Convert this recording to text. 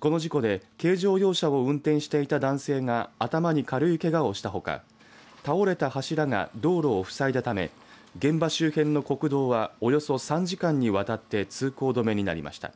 この事故で軽乗用車を運転していた男性が頭に軽いけがをしたほか倒れた柱が道路をふさいだため現場周辺の国道はおよそ３時間にわたって通行止めになりました。